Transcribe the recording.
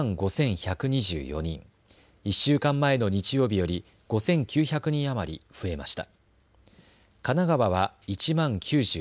１週間前の日曜日より５９００人余り増えました。